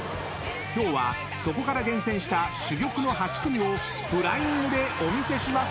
［今日はそこから厳選した珠玉の８組をフライングでお見せします］